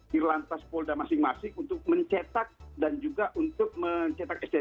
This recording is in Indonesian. di lantas polda masing masing untuk mencetak dan juga untuk mencetak sdm